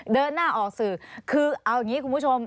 เดินหน้าออกสื่อคือเอาอย่างนี้คุณผู้ชม